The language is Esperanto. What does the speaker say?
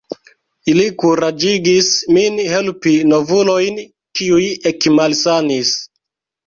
Ili kuraĝigis min helpi novulojn, kiuj ekmalsanis.